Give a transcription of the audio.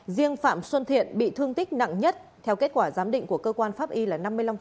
riêng phạm xuân thiện bị thương tích nặng nhất theo kết quả giám định của cơ quan pháp y là năm mươi năm